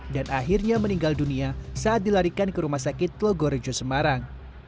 dan akhirnya meninggal dunia saat dilarikan ke rumah sakit tlogorejo semarang